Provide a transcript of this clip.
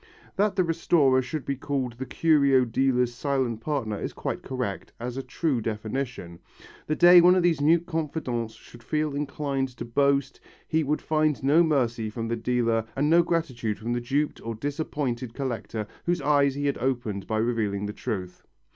That the restorer should be called the curio dealer's silent partner is quite correct as a true definition. The day one of these mute confidants should feel inclined to boast, he would find no mercy from the dealer and no gratitude from the duped or disappointed collector whose eyes he had opened by revealing the truth.